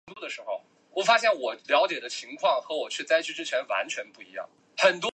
光果毛翠雀花为毛茛科翠雀属下的一个变种。